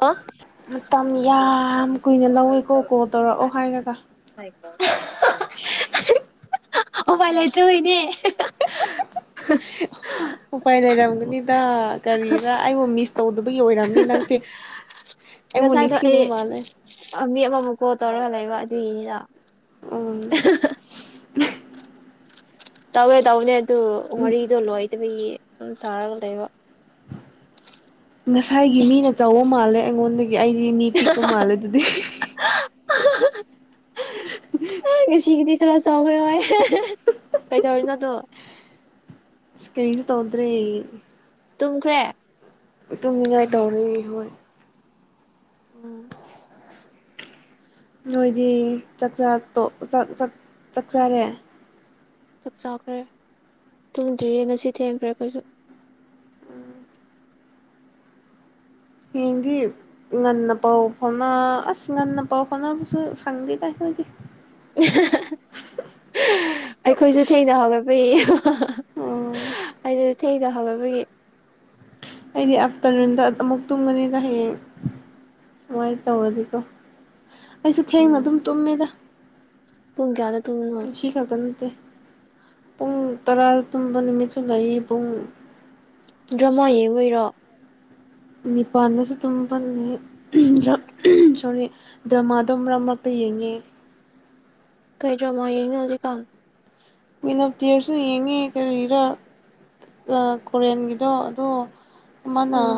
ꯑꯣ ꯑꯣ ꯃꯇꯝ ꯌꯥꯝ ꯀꯨꯏꯅ ꯂꯧꯋꯤꯀꯣ ꯀꯣꯜ ꯇꯧꯔꯛꯑꯣ ꯍꯥꯏꯔꯒ [inaudible] [unintelligible] ꯎꯄꯥꯏ ꯂꯩꯔꯝꯒꯅꯤꯗ ꯀꯔꯤꯔꯥ ꯑꯩꯕꯨ ꯃꯤꯁ ꯇꯧꯗꯕꯒꯤ ꯑꯣꯏꯔꯝꯅꯤ ꯅꯪꯁꯦ ꯑꯩꯕꯨ ꯉꯁꯥꯏꯗꯣ ꯑꯩ ꯅꯤꯡꯁꯤꯡꯗꯕ ꯃꯥꯜꯂꯦ ꯑꯥ ꯃꯤ ꯑꯃꯥꯃꯛ ꯀꯣꯜ ꯇꯧꯔ ꯂꯩꯕ ꯑꯗꯨꯒꯤꯅꯤꯗ ꯑꯨꯝ ꯇꯧꯒꯦ ꯇꯧꯕꯅꯦ ꯗꯨ ꯋꯥꯔꯤꯗꯣ ꯂꯣꯏꯗꯕꯒꯤ [unintelligible] ꯉꯁꯥꯏꯒꯤ ꯃꯤꯅ ꯆꯧꯕꯥ ꯃꯥꯜꯂꯦ ꯑꯩ ꯉꯣꯟꯗꯒꯤ ꯑꯩꯗꯤ ꯃꯤ ꯄꯤꯛꯄꯥ ꯃꯥꯟꯂꯤꯗꯨꯗꯤ ꯉꯁꯤꯒꯤꯗꯤ ꯈꯔ ꯆꯥꯎꯈ꯭ꯔꯦ ꯍꯣꯏ ꯀꯩꯗꯧꯔꯤꯅꯣꯗꯣ ꯏꯁꯀ꯭ꯔꯤꯟ ꯇꯧꯗ꯭ꯔꯦ ꯊꯪꯈ꯭ꯔꯦ ꯏꯇꯨꯝꯉꯥꯏ ꯇꯧꯔꯤ ꯍꯣꯏ ꯑꯣ ꯅꯣꯏꯗꯤ ꯆꯥꯛꯆꯔꯦ ꯆꯥꯛ ꯆꯥꯎꯈ꯭ꯔꯦ ꯇꯨꯝꯗ꯭ꯔꯤꯌꯦ ꯉꯁꯤ ꯊꯦꯡꯈ꯭ꯔꯦ ꯑꯩꯈꯣꯏꯁꯨ ꯍꯌꯦꯡꯗꯤ ꯉꯟꯅ ꯄꯥꯎ ꯐꯥꯎꯅ ꯑꯁ ꯉꯟꯅ ꯄꯥꯎ ꯐꯥꯎꯅꯕꯕꯨꯁꯨ ꯁꯪꯗꯦ ꯇꯥꯑꯈꫭꯏꯗꯤ ꯑꯩꯈꯣꯏꯁꯨ ꯊꯦꯡꯅ ꯍꯧꯒꯠꯄ ꯎꯝ ꯑꯩ ꯊꯦꯡꯅ ꯍꯧꯒꯄꯒꯤ ꯑꯩꯗꯤ ꯑꯥꯞꯇꯔꯅꯨꯟꯗ ꯑꯃꯨꯛ ꯇꯨꯝꯒꯅꯤꯅ ꯍꯌꯦꯡ ꯁꯨꯃꯥꯏꯅ ꯇꯧꯔꯁꯤꯀꯣ ꯑꯩꯁꯨ ꯊꯦꯡꯅ ꯎꯝ ꯑꯗꯨꯝ ꯇꯨꯝꯃꯦꯗ ꯄꯨꯡ ꯀꯌꯥꯗ ꯇꯨꯝꯃꯤꯅꯣ ꯁꯤ [unintelligible] ꯄꯨꯡ ꯇꯔꯥ ꯇꯨꯝꯕ ꯅꯨꯃꯤꯠꯁꯨ ꯂꯩ ꯄꯨꯡ ꯗ꯭ꯔꯃꯥ ꯌꯦꯡꯕꯩꯔꯦ ꯅꯤꯄꯥꯜꯗꯁꯨ ꯑꯗꯨꯝ ꯄꯜꯉꯦ ꯁꯣꯔꯤ ꯗ꯭ꯔꯃꯥꯗꯣ ꯃꯔꯛ ꯃꯔꯛꯇ ꯌꯦꯡꯉꯦ ꯗꯔꯥꯃ ꯍꯧꯖꯤꯛ ꯀꯝ ꯀ꯭ꯋꯤꯟ ꯑꯣꯐ ꯇꯤꯌꯔꯁꯨ ꯌꯦꯡꯉꯦ ꯀꯔꯤꯔ ꯀꯣꯔꯤꯟꯒꯤꯗꯣ ꯑꯗꯣ ꯃꯅ ꯎꯝ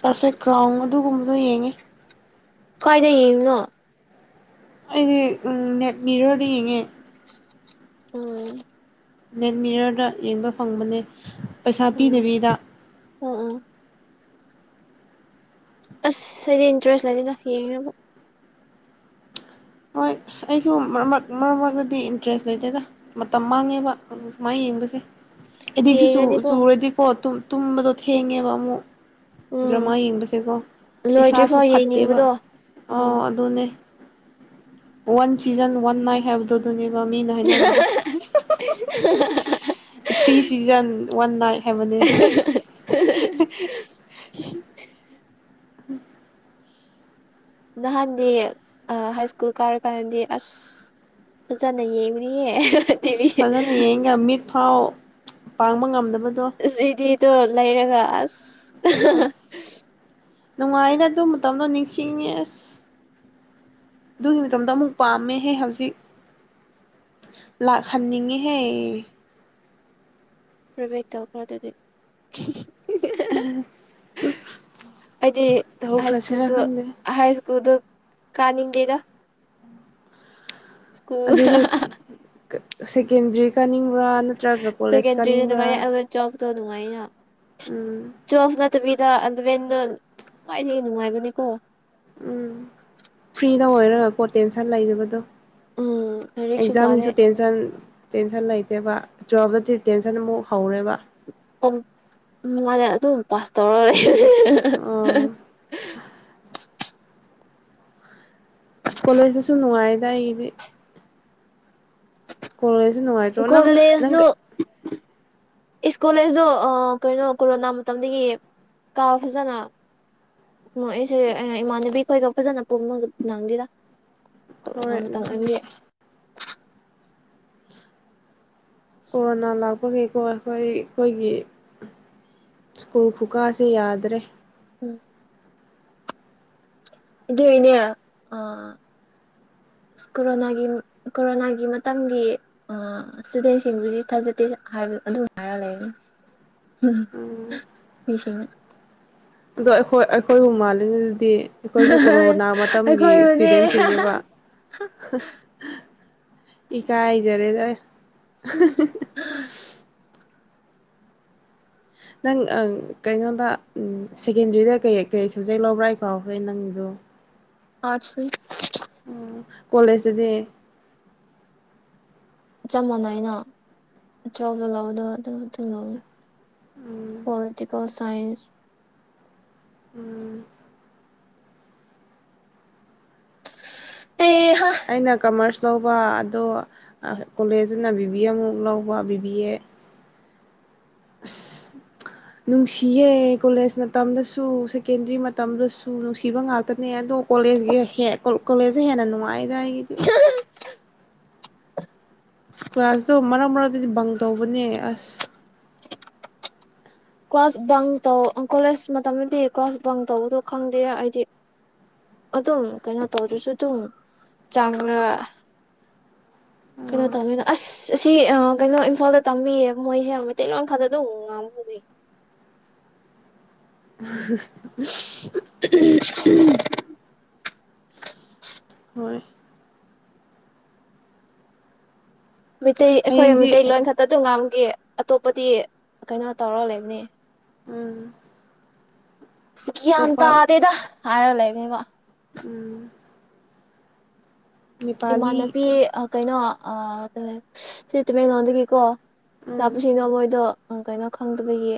ꯄꯔꯐꯦꯛ ꯀ꯭ꯔꯥꯎꯟ ꯑꯗꯨꯒꯨꯝꯕꯗꯣ ꯌꯦꯡꯉꯦ ꯀꯥꯏꯗ ꯌꯦꯡꯉꯣ ꯑꯩꯁ ꯅꯦꯠ ꯃꯤꯔꯣꯗ ꯌꯦꯡꯉꯦ ꯎꯝ ꯅꯦꯠꯃꯤꯌꯔꯗ ꯌꯦꯡꯕ ꯐꯪꯕꯅꯦ ꯄꯩꯁꯥ ꯎꯝ ꯄꯤꯗꯕꯤꯗ ꯎꯝ ꯎꯝ ꯑꯁ ꯍꯥꯏꯗꯤ ꯏꯟꯇꯔꯦꯁ ꯂꯩꯅꯤꯅ ꯌꯦꯡꯉꯕ ꯍꯣꯏ ꯑꯩꯁꯨ ꯃꯔꯛ ꯃꯔꯛ ꯃꯔꯛꯇꯗꯤ ꯏꯟꯇꯔꯦꯁ ꯂꯩꯇꯦꯗ ꯃꯇꯝ ꯃꯥꯡꯉꯦꯕ ꯁꯨꯃꯥꯏ ꯌꯦꯡꯕꯁꯦ ꯁꯤ ꯆ ꯌꯦꯡꯔꯗꯤꯀꯣ ꯆꯨꯔꯦꯗꯤ ꯀꯣꯠꯇꯨꯝ ꯇꯨꯝꯕꯗꯣ ꯊꯦꯡꯉꯦꯕ ꯑꯃꯨꯛ ꯎꯝ ꯗ꯭ꯔꯃꯥ ꯌꯦꯡꯕꯁꯦꯀꯣ ꯏꯁꯥꯁꯨ ꯂꯣꯏꯗ꯭ꯔꯤꯐꯥꯎ ꯐꯠꯇꯦꯕ ꯌꯦꯡꯅꯤꯡꯕꯗꯣ ꯎꯝ ꯑꯣꯥ ꯑꯗꯨꯅꯦ ꯋꯥꯟ ꯆꯖꯟ ꯋꯥꯟ ꯑꯥꯏ ꯍ ꯗ ꯗ ꯃ ꯃꯤꯅ ꯍꯥꯏꯅꯕꯗꯣ ꯊ꯭ꯔꯤ ꯁꯤꯖꯟ ꯋꯥ ꯏ ꯄꯥꯏꯕ ꯎꯝ ꯅꯍꯥꯟꯗꯤ ꯍꯥꯏ ꯁ꯭ꯀꯨꯜ ꯀꯥꯔꯀꯥꯟꯗꯗꯤ ꯑꯁ ꯐꯖꯅ ꯌꯦꯡꯕꯅꯤ ꯇꯤꯚ ꯊꯥꯎ ꯄꯥꯡꯕ ꯉꯝꯗꯕ ꯁꯤꯗꯤꯗꯣ ꯂꯩꯔꯒ ꯑꯁ ꯑꯁ ꯅꯨꯡꯉꯥꯏꯗ ꯑꯗꯨ ꯃꯇꯝꯗꯣ ꯅꯤꯡꯁꯤꯡꯉꯦ ꯑꯁ ꯑꯗꯨꯒꯤ ꯃꯇꯝꯗꯣ ꯑꯃꯨꯛ ꯄꯥꯝꯃꯦꯍꯦ ꯍꯧꯖꯤꯛ ꯂꯥꯛꯍꯟꯅꯤꯡꯉꯤꯍꯦ ꯄ꯭ꯂꯦ ꯕꯦꯛ ꯇꯧꯈ꯭ꯔꯣ ꯑꯗꯨꯗꯤ ꯑꯩꯗꯤ ꯍꯥꯏ ꯇꯧꯈ꯭ꯔꯁꯤꯔꯥ ꯁ꯭ꯀꯨꯜꯗ ꯈꯪꯗꯦ ꯍꯥꯏ ꯁ꯭ꯀꯨꯜꯗ ꯀꯥꯅꯤꯡꯗꯦꯗ ꯁ꯭ꯀꯨꯜ ꯑꯗꯨꯗꯤ ꯁꯦꯀꯦꯟꯗ꯭ꯔꯤ ꯀꯥꯅꯤꯡ ꯕ꯭ꯔꯥ ꯅꯠꯇ꯭ꯔꯒ ꯀꯣꯂꯦꯖ ꯀꯥꯅꯤꯡꯕ꯭ꯔꯥ ꯗꯨ ꯅꯨꯡꯉꯥꯏꯅ ꯎꯝ ꯇꯨꯌꯦꯜꯕ ꯅꯠꯇꯕꯤ ꯗ ꯑꯦꯂꯕꯦꯟꯗꯣ ꯈ꯭ꯋꯥꯏꯗꯒꯤ ꯍꯦꯟꯅ ꯅꯨꯡꯉꯥꯏꯕꯅꯦꯀꯣ ꯎꯝ ꯐ꯭ꯔꯤꯗ ꯑꯣꯏꯔꯒꯀꯣ ꯇꯦꯟꯁꯟ ꯂꯩꯇꯕꯗꯣ ꯎꯝ ꯂꯥꯏꯔꯤꯛꯁꯨ ꯄꯥꯗꯦ ꯑꯦꯛꯖꯥꯝꯒꯤꯁꯨ ꯇꯦꯟꯁꯟ ꯇꯦꯟꯁꯟ ꯂꯩꯇꯦꯕ ꯇꯨꯋꯦꯜꯐꯇꯗꯤ ꯇꯦꯟꯁꯟ ꯑꯃꯨꯛ ꯍꯧꯔꯦꯕ ꯎ ꯃꯥꯅꯦ ꯑꯗꯨꯝ ꯄꯥꯁꯇꯧꯔ ꯂꯩ ꯑꯣ ꯑꯁ ꯀꯣꯂꯦꯖꯇꯁꯨ ꯅꯨꯡꯉꯥꯏꯗꯥ ꯑꯩꯒꯤꯗꯤ ꯀꯣꯂꯦꯖ ꯁꯨ ꯅꯨꯡꯉꯥꯏꯇ꯭ꯔꯣ ꯅꯪ ꯅꯪ ꯀꯣꯂꯦꯖꯇꯨ ꯏꯁ ꯀꯣꯜꯖꯁꯨ ꯀꯩꯅꯣ ꯀꯣꯔꯣꯅꯥ ꯃꯇꯝꯗꯒꯤ ꯀꯥꯕ ꯐꯖꯅ ꯑꯩꯁꯦ ꯏꯃꯥꯟꯅꯕꯤ ꯈꯣꯏꯒ ꯐꯖꯅ ꯄꯨꯟꯕ ꯅꯪꯗꯦꯗ ꯀꯣꯔꯣꯅꯥ ꯍꯣꯏ ꯃꯇꯝꯗꯒꯤ ꯀꯣꯔꯣꯅꯥ ꯂꯥꯛꯄꯒꯤꯀꯣ ꯑꯩꯈꯣꯏ ꯑꯩꯈꯣꯏꯒꯤ ꯁ꯭ꯀꯨꯜ ꯈꯨꯀꯥꯁꯦ ꯌꯥꯗ꯭ꯔꯦ ꯎꯝ ꯑꯗꯨꯏꯅꯦ ꯀꯣꯔꯣꯅꯥꯒꯤ ꯀꯣꯔꯣꯅꯥꯒꯤ ꯃꯇꯝꯒꯤ ꯏꯁꯇꯨꯗꯦꯟꯁꯤꯡꯗꯨꯗꯤ ꯊꯥꯖꯗꯦ ꯑꯗꯨꯝ ꯍꯥꯏꯔꯒ ꯂꯩꯕꯅꯤ ꯎꯝ ꯃꯤꯁꯤꯡꯅ ꯑꯗꯣ ꯑꯩꯈꯣꯏ ꯑꯩꯈꯣꯏ ꯕꯨ ꯃꯥꯜꯂꯤꯅꯦ ꯑꯩꯈꯣꯏꯁꯨ ꯀꯣꯔꯣꯅꯥ ꯃꯇꯝꯒꯤ ꯑꯩꯈꯣꯏꯕꯨꯅꯦ ꯏꯁꯇꯨꯗꯦꯟꯁꯤꯡꯅꯦꯕ ꯏ ꯀꯥꯏꯖꯔꯦꯗ ꯑꯍꯍꯍ ꯅꯪ ꯀꯩꯅꯣꯗ ꯁꯦꯀꯦꯟꯗ꯭ꯔꯤꯗ ꯀꯩ ꯀꯩ ꯁꯕꯖꯦꯛ ꯂꯧꯕ꯭ꯔꯥ ꯑꯩ ꯀꯥꯎꯈ꯭ꯔꯦ ꯅꯪꯗꯣ ꯑꯥꯔꯠꯁ ꯅꯤ ꯎꯝ ꯀꯣꯂꯦꯖꯇꯗꯤ ꯆꯞ ꯃꯥꯟꯅꯩꯅ ꯇꯨꯌꯦꯜꯕꯇ ꯂꯧꯕꯗꯣ ꯑꯗꯨ ꯑꯗꯨꯝ ꯂꯧꯅꯤ ꯎꯝ ꯄꯣꯂꯤꯇꯤꯀꯦꯜ ꯁꯏꯟ ꯁꯥꯏꯟꯁ ꯎꯝ ꯑꯦꯍꯥ ꯑꯩꯅ ꯀꯃꯔꯁ ꯂꯧꯕ ꯑꯗꯣ ꯀꯣꯂꯦꯖꯅ ꯕꯤꯕꯤ ꯑꯃꯨꯛ ꯂꯧꯕ ꯕꯤꯕꯤ ꯑꯦ ꯑꯁ ꯅꯨꯡꯁꯤꯌꯦꯦ ꯀꯣꯂꯦꯖ ꯃꯇꯝꯗꯁꯨ ꯁꯦꯀꯦꯟꯗ꯭ꯔꯤ ꯃꯇꯝꯗꯁꯨ ꯅꯨꯡꯁꯤꯕ ꯉꯥꯛꯇꯅꯦ ꯑꯗꯣ ꯀꯣꯂꯦꯖ ꯀꯣꯂꯦꯖꯁꯦ ꯍꯦꯟꯅ ꯅꯨꯡꯉꯥꯏꯗꯥꯒꯤꯗꯤ ꯀ꯭ꯂꯥꯁꯇꯣ ꯃꯔꯛ ꯃꯔꯛꯇꯗꯤ ꯕꯪ ꯇꯧꯕꯅꯦ ꯑꯁ ꯀ꯭ꯂꯥꯁ ꯕꯪ ꯇꯧ ꯀꯣꯂꯦꯖ ꯃꯇꯝꯗꯗꯤ ꯀ꯭ꯂꯥꯁ ꯕꯪ ꯇꯧꯕꯗꯣ ꯈꯪꯗꯦ ꯑꯩꯗꯤ ꯑꯗꯨꯝ ꯀꯩꯅꯣ ꯇꯧꯗ꯭ꯔꯁꯨ ꯑꯗꯨꯝ ꯆꯥꯡꯅꯒ ꯀꯩꯅꯣ ꯇꯧꯅꯤꯅ ꯑꯁ ꯑꯁꯤ ꯀꯩꯅꯣ ꯏꯝꯐꯥꯜꯗ ꯇꯝꯕꯤꯌꯦ ꯃꯣꯏꯁꯦ ꯃꯩꯇꯩꯈꯥꯗ ꯑꯗꯨꯝ ꯉꯥꯒꯅꯤ ꯑꯍꯥ ꯍꯥ ꯍꯥ ꯍ ꯎ ꯍꯣꯏ ꯃꯩ ꯑꯩꯈꯣꯏ ꯍꯌꯦꯡꯗꯤ ꯃꯤꯇꯩꯂꯣꯟꯣꯟ ꯈꯛꯇ ꯑꯗꯨꯝ ꯑꯇꯣꯞꯄꯗꯤ ꯀꯩꯅꯣ ꯇꯧꯔ ꯂꯩꯕꯅꯤ ꯎꯝ ꯁꯤꯀꯤꯌꯥꯇ ꯑꯇꯣꯞꯄ ꯑꯗꯦꯗ ꯍꯥꯏꯥꯔ ꯂꯩꯕ ꯎꯝ ꯅꯦꯄꯥꯂꯤ ꯏꯃꯥꯟꯅꯕꯤ ꯀꯩꯅꯣ ꯁꯤ ꯇꯃꯦꯡꯂꯣꯡꯗꯒꯤꯀꯣ ꯎꯝ ꯂꯄꯁꯤꯅꯣ ꯃꯣꯏꯗꯣ ꯀꯩꯅꯣ ꯈꯪꯗꯕꯒꯤ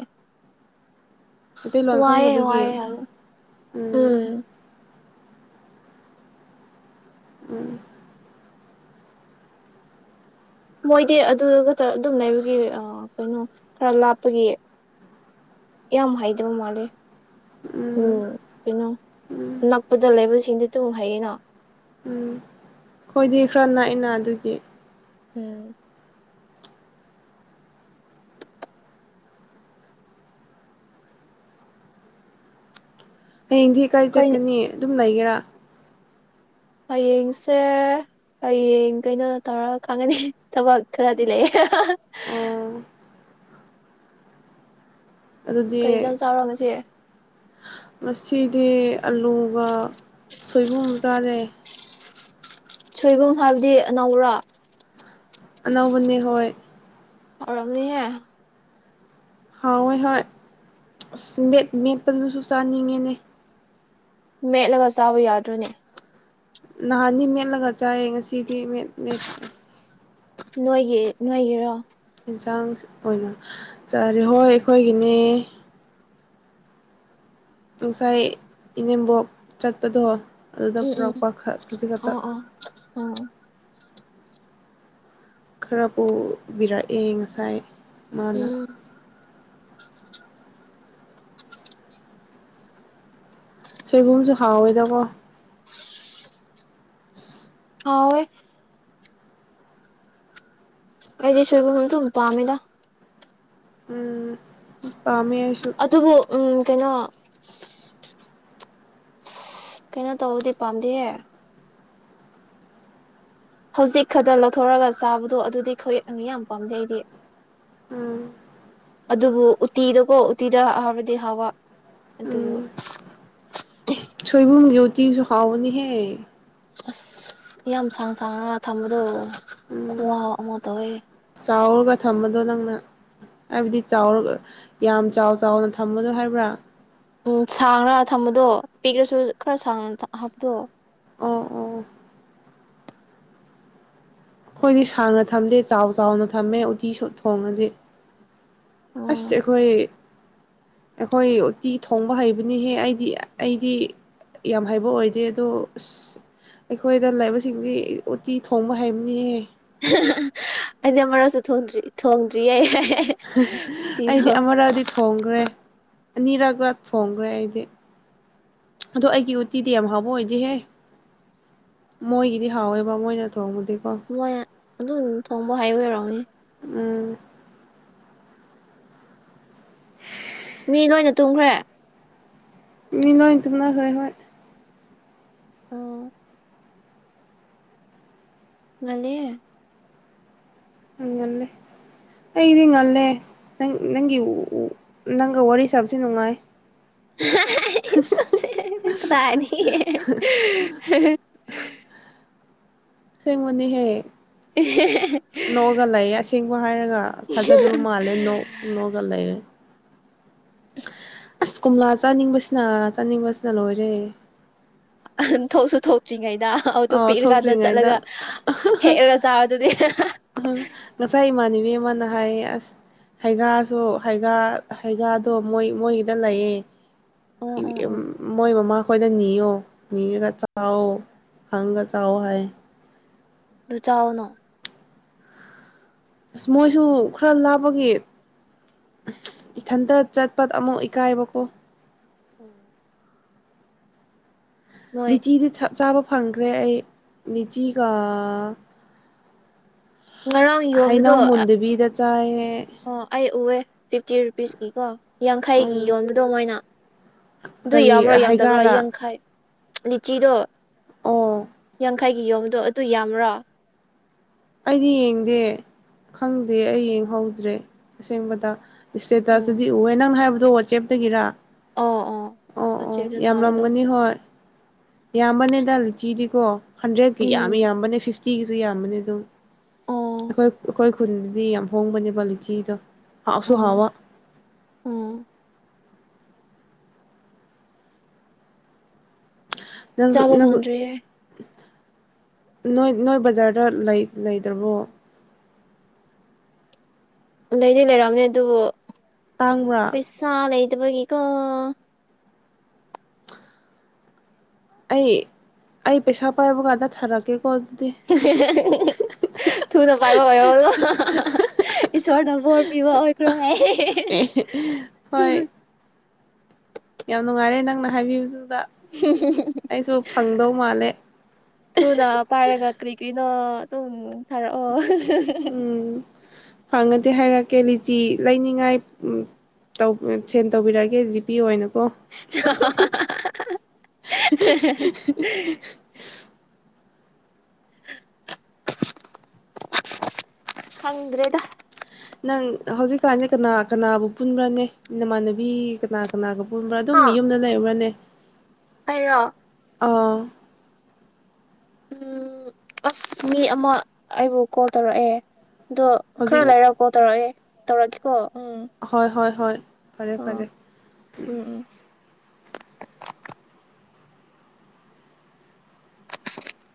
ꯃꯩꯇꯩꯂꯣꯟ ꯋꯥꯑꯌꯦꯦ ꯈꯪꯗꯕꯒꯤ ꯋꯥꯑꯌꯦꯦ ꯎꯝ ꯎꯝ ꯃꯣꯏꯗꯤ ꯑꯗꯨꯗ ꯈꯛꯇ ꯑꯗꯨꯝ ꯂꯩꯕꯒꯤ ꯀꯩꯅꯣ ꯈꯔ ꯂꯥꯞꯄꯒꯤ ꯌꯥꯝ ꯍꯥꯏꯗꯕ ꯃꯥꯂꯦ ꯎꯝ ꯀꯩꯅꯣ ꯎꯝ ꯅꯛꯄꯗ ꯂꯩꯕꯁꯤꯡꯗꯨ ꯇꯨꯝ ꯍꯌꯦꯅꯣ ꯎꯝ ꯑꯩꯣꯏꯗꯤ ꯈꯔ ꯅꯅꯥꯏꯅ ꯑꯗꯨꯒꯤ ꯎꯝ ꯍꯦꯟꯗꯤ ꯀꯥꯏ ꯀꯩ ꯆꯠꯀꯅꯤꯌꯦ ꯑꯗꯨ ꯑꯗꯨꯨꯝ ꯂꯩꯒꯦꯔꯥ ꯍꯌꯦꯡꯁꯦ ꯍꯌꯦꯡ ꯀꯩꯅꯣ ꯇꯧꯔꯒ ꯈꯪꯒꯅꯤ ꯊꯕꯛ ꯈꯔꯗꯤ ꯂꯩ ꯑꯣ ꯀꯩꯖꯜ ꯆꯥꯎꯔꯒꯁꯦ ꯃꯁꯤꯗꯤ ꯑꯂꯨꯒ ꯁꯣꯏꯕꯨꯝ ꯆꯥꯔꯦ ꯁꯣꯏꯕꯨꯝ ꯍꯥꯏꯕꯗꯤ ꯑꯅꯧꯔ ꯑꯅꯥꯕꯅꯦ ꯍ ꯑꯣꯔꯝꯅꯤꯍ ꯍꯋꯣꯏ ꯍꯣꯏ ꯑꯁ ꯃꯦꯠ ꯃꯦꯠꯄꯗꯨꯁꯨ ꯆꯥꯅꯤꯡꯉꯦꯅꯦ ꯃꯦꯠꯂꯒ ꯆꯥꯕ ꯌꯥꯗ꯭ꯔꯅꯦ ꯅꯍꯥꯟꯗꯤ ꯃꯦꯠꯂꯒ ꯆꯥꯏꯌꯦ ꯉꯁꯤꯗꯤ ꯃꯦꯠꯇ꯭ꯔꯦ ꯅꯣꯏꯒꯤ ꯅꯣꯏꯒꯤꯔꯣ ꯑꯦꯟꯁꯥꯡ ꯑꯣꯏꯅ ꯆꯥꯔꯤ ꯍꯣꯏ ꯑꯩꯈꯣꯏꯒꯤꯅꯦ ꯉꯅꯨꯡꯁꯥꯏ ꯏꯅꯦꯝꯕꯣꯛ ꯆꯠꯄꯗꯣ ꯑꯗꯨꯗ ꯎꯝ ꯎꯝ ꯄꯨꯔꯛꯄ ꯈ ꯈꯖꯤꯛ ꯈꯛꯇ ꯑꯣ ꯑꯣ ꯎꯝ ꯈꯔ ꯄꯨꯕꯤꯔꯛꯑꯦ ꯉꯁꯥꯏ ꯃꯥꯅ ꯎꯝ ꯁꯣꯏꯕꯨꯝꯁꯦ ꯍꯥꯎꯋꯤꯗꯀꯣ ꯁꯤ ꯍꯥꯎꯋꯦ ꯑꯩꯗꯤ ꯁꯣꯏꯕꯨꯝ ꯑꯗꯨꯝ ꯄꯥꯝꯃꯤꯗ ꯎꯝ ꯑꯝ ꯄꯥꯝ ꯑꯗꯕꯨ ꯎꯨꯝ ꯀꯩꯅꯣ-ꯆꯤ ꯁꯤꯠ ꯀꯩꯅꯣ ꯇꯧꯕꯗꯤ ꯄꯥꯝꯗꯦꯍꯦ ꯍꯧꯖꯤꯛ ꯈꯛꯇ ꯂꯧꯊꯣꯔꯒ ꯆꯥꯕꯗꯣ ꯑꯗꯨꯗꯤ ꯈꯌꯦꯛ ꯑꯗꯨ ꯌꯥꯝ ꯄꯥꯝꯖꯩ ꯑꯩꯗꯤ ꯎꯝ ꯑꯗꯨꯕꯨ ꯎꯇꯤꯗꯀꯣ ꯎꯇꯤꯗ ꯍꯥꯎꯔꯗꯤ ꯍꯥꯎꯕ ꯑꯗꯨ ꯎꯝ ꯁꯣꯏꯕꯨꯝꯒꯤ ꯎꯇꯤꯁꯨ ꯍꯥꯎꯕꯅꯤ ꯍꯦ ꯑꯁ ꯌꯥꯝ ꯁꯥꯡ ꯁꯥꯡꯅꯒ ꯊꯝꯕꯗꯣ ꯎꯝ ꯈꯨꯍꯥꯎ ꯑꯃ ꯇꯧꯋꯦ ꯆꯥꯎꯔꯒ ꯊꯝꯕꯗꯣ ꯅꯪꯅ ꯍꯥꯏꯕꯗꯤ ꯆꯥꯎꯔ ꯌꯥꯝ ꯆꯥꯎ-ꯆꯥꯎꯅ ꯊꯝꯕꯗꯣ ꯍꯥꯏꯕ꯭ꯔꯥ ꯎꯝ ꯁꯥꯡꯔ ꯊꯝꯕꯗꯣ ꯄꯤꯛꯔꯁꯨ ꯈꯔ ꯁꯥꯡꯅ ꯍꯥꯞꯄꯣ ꯎꯝ ꯎꯝ ꯑꯩꯈꯣꯏꯗꯤ ꯁꯥꯡꯅ ꯊꯝꯗꯦ ꯆꯥꯎ ꯆꯥꯎꯅ ꯊꯝꯃꯦ ꯎꯇꯤꯁꯨ ꯊꯣꯡꯔꯗꯤ ꯎꯝ ꯑꯁ ꯑꯩꯈꯣꯏ ꯑꯩꯈꯣꯏ ꯎꯇꯤ ꯊꯣꯡꯕ ꯍꯩꯕꯅꯤꯍꯦ ꯑꯩꯗꯤ ꯑꯩꯗꯤ ꯌꯥꯝ ꯍꯩꯕ ꯑꯣꯏꯗꯦ ꯑꯗꯣ ꯑꯁ ꯑꯩꯈꯣꯏꯗ ꯂꯩꯕꯁꯤꯡꯗꯤ ꯎꯇꯤ ꯊꯣꯡꯕ ꯍꯩꯕꯅꯤꯍꯦ ꯍꯥ-ꯍꯥ-ꯍꯥ ꯑꯩꯗꯤ ꯑꯃꯔꯛꯁꯨ ꯊꯣꯡꯗ꯭ꯔꯤ ꯊꯣꯡꯗ꯭ꯔꯤꯌꯦ ꯍꯥ-ꯑꯩꯗꯤ ꯎꯇꯤꯗꯣ ꯑꯃꯔꯛꯗꯤ ꯊꯣꯡꯒ꯭ꯔꯦ ꯑꯅꯤꯔꯛꯂꯛ ꯊꯣꯡꯒ꯭ꯔꯦ ꯑꯩꯗꯤ ꯑꯗꯣ ꯑꯩꯒꯤ ꯎꯠꯇꯤꯗꯤ ꯌꯥꯝ ꯍꯥꯎꯕ ꯑꯣꯏꯗꯤꯍꯦ ꯃꯣꯏꯒꯤꯗꯤ ꯍꯥꯎꯋꯦꯕ ꯃꯣꯏꯅ ꯊꯣꯡꯕꯗꯤ ꯃꯣꯏ ꯑꯗꯨꯝ ꯊꯣꯡꯕ ꯍꯩꯕ ꯑꯣꯏꯔꯝꯒꯅꯤ ꯎꯨꯝ ꯃꯤ ꯂꯣꯏꯅ ꯇꯨꯝꯒ꯭ꯔꯦ ꯃꯤꯂꯣꯏ ꯇꯨꯝꯅꯒ꯭ꯔꯦ ꯍꯣꯏ ꯑꯣ ꯉꯜꯂꯤꯍꯦ ꯎ ꯉꯜꯂꯦ ꯑꯩꯗꯤ ꯉꯜꯂꯦ ꯅꯪꯒꯤ ꯅꯪꯒꯤ ꯅꯪꯒ ꯋꯥꯔꯤ ꯁꯥꯕꯁꯦ ꯅꯨꯡꯉꯥꯏ ꯍꯥ-ꯍꯥ-ꯍꯥ ꯍꯥꯏꯁ ꯀꯗꯥꯏꯗꯒꯤ ꯍꯥ-ꯍꯥ-ꯍꯥ ꯁꯦꯡꯕꯅꯤ ꯍꯦ ꯎ-ꯍꯦ-ꯍꯦ ꯅꯣꯛꯑꯒ ꯂꯩꯌꯦ ꯑꯁꯤ ꯊꯦꯡꯕ ꯍꯥꯏꯔꯒ ꯊꯥꯖꯗꯕ ꯃꯥꯜꯂꯦ ꯅꯣꯛ-ꯅꯣꯛꯒ ꯂꯩꯌꯦ ꯑꯁ ꯀꯣꯝꯂ ꯆꯥꯅꯤꯡꯕꯁꯤꯅ-ꯆꯥꯅꯤꯡꯕꯁꯤꯅ ꯂꯣꯏꯔꯦ ꯑꯍ ꯊꯣꯛꯁꯨ ꯊꯣꯛꯇ꯭ꯔꯤꯉꯩ ꯗ-ꯑꯗꯨ ꯑꯥꯎ ꯄꯤꯛꯔꯀꯥꯟꯗ ꯊꯣꯛꯇ꯭ꯔꯤꯉꯩꯗ ꯆꯠꯂꯒ ꯍꯦꯛꯑꯒ ꯆꯥꯔꯣ ꯑꯗꯨꯗꯤ ꯃꯤ ꯑꯃꯅ ꯍꯥꯏꯌꯦ ꯑꯁ ꯍꯩꯒꯥꯁꯨ ꯍꯩꯒꯥ ꯍꯩꯒꯥꯗꯣ ꯃꯣꯏ ꯃꯣꯏꯒꯤꯗ ꯂꯩꯌꯦ ꯑꯣ ꯑꯣ ꯑꯣ ꯃꯣꯏ ꯃꯃꯥꯈꯣꯏꯗ ꯅꯤꯌꯣ ꯅꯤꯔꯒ ꯆꯥꯎꯑꯣ ꯍꯪꯉꯒ ꯆꯥꯎ ꯍꯥꯏꯌꯦ ꯑꯗꯨ ꯆꯥꯎꯅꯣ ꯑꯁ ꯃꯣꯏꯁꯨ ꯈꯔ ꯂꯥꯞꯄꯒꯤ ꯏꯊꯟꯇ ꯆꯠꯄ ꯑꯃꯨꯛ ꯏꯀꯥꯏꯕꯀꯣ ꯎꯝ [inaudible] ꯅꯤꯆꯤꯗꯤ ꯆꯥꯕ ꯐꯪꯈ꯭ꯔꯦ ꯑꯩ ꯅꯤꯆꯤꯒ ꯉꯔꯥꯡ ꯍꯩꯅꯧ ꯌꯣꯟꯕꯗꯣ ꯃꯨꯟꯗꯕꯤꯗ ꯆꯥꯏꯦ ꯑꯣ ꯑꯩ ꯎꯑꯦ ꯐꯤꯐꯇꯤ ꯔꯨꯄꯤꯁꯀꯤ ꯀꯣ ꯌꯥꯡꯈꯩꯒꯤ ꯌꯣꯟꯕꯗꯣ ꯃꯅ ꯑꯗꯨ ꯀꯔꯤ ꯌꯥꯝꯕ꯭ꯔꯣ ꯌꯥꯝꯗꯕ꯭ꯔꯣ ꯍꯩꯒꯥꯔꯥ ꯌꯥꯡꯈꯥꯏ ꯂ ꯂꯤꯆꯤꯗ ꯑꯣ ꯌꯥꯡꯈꯥꯏꯒꯤ ꯌꯣꯝꯗꯣ ꯑꯗꯨ ꯌꯥꯝ꯭ꯔꯣ ꯑꯩꯗꯤ ꯌꯦꯡꯗꯦ ꯈꯪꯗꯦ ꯑꯩ ꯌꯦꯡꯍꯧꯗ꯭ꯔꯦ ꯑꯁꯦꯡꯕꯗ ꯏꯁꯇꯦꯇꯇꯗꯤ ꯎꯝ ꯎꯑꯦ ꯅꯪꯅ ꯍꯥꯏꯕ ꯑꯗ ꯆꯦꯞꯇꯒꯤꯔꯥ ꯑꯣ ꯑꯣ ꯑꯣ ꯄꯣꯠꯆꯦꯗ ꯊꯥꯕꯗꯣ ꯌꯥꯝꯂꯝꯒꯅꯤ ꯍꯣꯏ ꯌꯥꯝꯕꯅꯤꯗꯆꯤꯗꯤ ꯀꯣ ꯍꯟꯗ꯭ꯔꯦꯗꯀꯤ ꯌꯥꯝꯃꯤ ꯌꯥꯝꯕꯅꯦ ꯐꯤꯐꯇꯤ ꯀꯤꯒꯁꯨ ꯌꯥꯝꯕꯅꯦ ꯑꯗꯨꯝ ꯑꯣ ꯑꯣ ꯑꯩꯈꯣꯏ ꯑꯩꯈꯣꯏ ꯈꯨꯟꯗꯗꯤ ꯌꯥꯝ ꯍꯣꯡꯕꯅꯦꯕ ꯂꯤꯆꯤꯗꯣ ꯑꯁꯨꯣ ꯍꯥꯋꯥ ꯑꯣ ꯅꯪ ꯆꯥꯕ ꯅꯪꯨ ꯐꯪꯗ꯭ꯔꯤꯌꯦ ꯅꯣꯏ ꯅꯣꯏ ꯕꯖꯥꯔꯗ ꯂꯩꯇ꯭ꯔꯕꯣ ꯂꯩꯗꯤ ꯂꯩꯔꯑꯝꯅꯦ ꯑꯗꯨꯕꯨ ꯇꯥꯡꯕ꯭ꯔꯥ ꯄꯁꯥ ꯂꯩ ꯏꯒꯤꯀꯣ ꯑꯩ ꯑꯩ ꯄꯩꯁꯥ ꯄꯥꯏꯕ ꯀꯥꯟꯗ ꯊꯥꯔꯛꯀꯦ ꯊꯨꯅ ꯄꯥꯏꯕ ꯑꯣꯏꯍꯣꯗꯣ ꯏꯁꯣꯔꯅ ꯕꯣꯔ ꯄꯤꯕ ꯑꯣꯏꯈ꯭ꯔꯣ ꯑꯦ ꯑꯦ ꯍꯣꯏ ꯌꯥꯝ ꯅꯨꯡꯉꯥꯏꯔꯦ ꯅꯪꯅ ꯍꯥꯏꯕꯤꯕꯗꯨ ꯃꯥꯜꯂꯦ ꯊꯨꯅ ꯄꯥꯔꯒ ꯀꯔꯤ ꯀꯔꯤꯅꫭ ꯇꯝ ꯊꯔꯛꯑꯣ ꯑꯍꯥ ꯍꯥ ꯍꯥ ꯍꯥ ꯐꯪꯉꯗꯤꯦ ꯍꯥꯏꯔꯛꯀꯦ ꯂꯤꯆꯤ ꯂꯩꯅꯤꯡꯉꯥꯏ ꯁꯦꯟ ꯇꯧꯕꯤꯔꯛꯑꯒꯦ ꯖꯤ ꯄꯤ ꯑꯣꯏꯅꯀꯣ ꯍꯨꯝ ꯍꯨꯝ ꯍꯨꯝ ꯍꯥ ꯍꯥꯍꯥ ꯈꯪꯒ꯭ꯔꯦꯗ ꯍꯧꯖꯤꯛ ꯀꯥꯟꯅꯦ ꯀꯅꯥ ꯀꯅꯥꯕꯨ ꯄꯨꯟꯕ꯭ꯔꯅꯦ ꯅꯃꯥꯟꯅꯕꯤ ꯀꯅꯥ ꯀꯅꯥꯒ ꯒꯨꯝꯕ꯭ꯔꯥ ꯑꯗꯨꯝ ꯍꯥ ꯌꯨꯝꯗ ꯂꯩꯕꯔꯥꯅꯦ ꯑꯩꯔꯣ ꯑꯥ ꯎꯝ ꯑꯁ ꯃꯤ ꯑꯃ ꯑꯩꯕꯨ ꯀꯣꯜ ꯇꯧꯔꯛꯑꯦ ꯑꯗꯣ ꯍꯧꯖꯤꯛ ꯈꯔ ꯂꯩꯔꯛꯀꯣ ꯇꯧꯔꯛꯑꯦ ꯇꯧꯔ ꯀ ꯀꯣ ꯍꯣꯏ ꯍꯣꯏ ꯍꯣꯏ ꯐꯔꯦ ꯐꯔꯦ [inaudible]